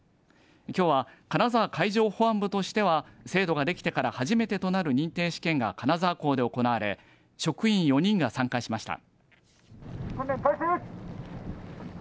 きょうは金沢海上保安部としては制度ができてから初めてとなる認定試験が金沢港で行われ職員４人が参加しました。